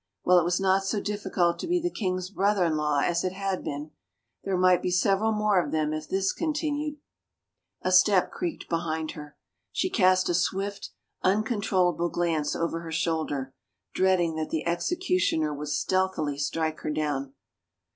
Well, it was not so difficult to be the king's brother in law as it had been. There might be several more of them if this continued. A step creaked behind her. She cast a swift, uncon trollable glance over her shoulder, dreading that the exe cutioner would stealthily strike her down.